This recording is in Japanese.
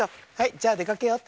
じゃあでかけよう。